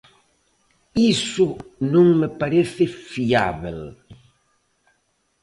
Iso non me parece fiábel.